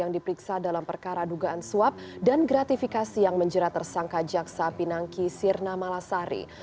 yang diperiksa dalam perkara dugaan suap dan gratifikasi yang menjerat tersangka jaksa pinangki sirna malasari